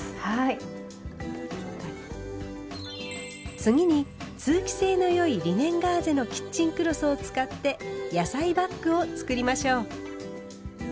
次に通気性の良いリネンガーゼのキッチンクロスを使って「野菜バッグ」を作りましょう。